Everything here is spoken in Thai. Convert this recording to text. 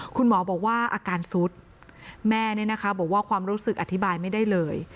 คุณหมอบอกว่าอาการซุดแม่บอกว่าความรู้สึกอธิบายไม่ได้เลย